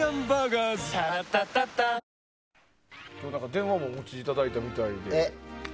電話もお持ちいただいたみたいで。